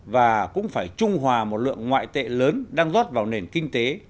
và cũng phải trung hòa một lượng ngoại tệ lớn đang rót vào nền kinh tế